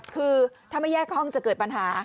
คือถ้าไม่แยกห้องจะเกิดปัญหา